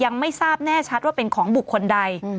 ยังไม่ทราบแน่ชัดว่าเป็นของบุคคลใด